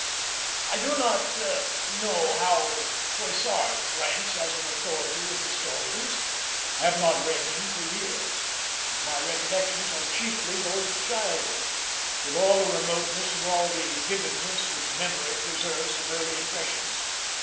I do not know how Froissart ranks as an authority with historians. I have not read him for years; and my recollections are chiefly those of childhood, with all the remoteness and all the vividness which memory preserves from early impressions.